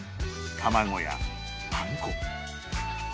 卵やパン粉